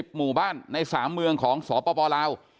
หมู่บ้านใน๓เมืองของสปลาว